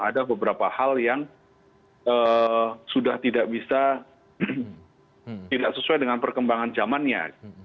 ada beberapa hal yang sudah tidak bisa tidak sesuai dengan perkembangan zamannya